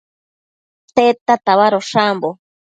Tedta tabadosh ambo?